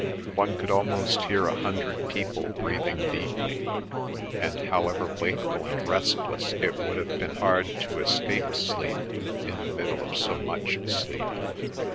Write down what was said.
One could almost hear a hundred people breathing deeply, and however wakeful and restless it would have been hard to escape sleep in the middle of so much sleep.